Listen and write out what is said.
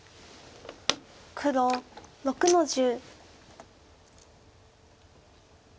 黒６の十。